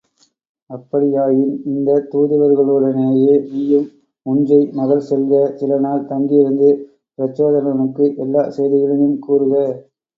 அப்படியாயின் இந்தத் தூதுவர்களுடனேயே நீயும் உஞ்சை நகர் செல்க, சில நாள் தங்கியிருந்து பிரச்சோதனனுக்கு எல்லாச் செய்திகளையும் கூறுக.